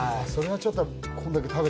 それはちょっと。